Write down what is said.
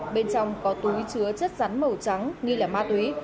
bên trong có túi chứa chất rắn màu trắng nghi là ma túy